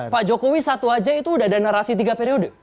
pak jokowi satu aja itu udah ada narasi tiga periode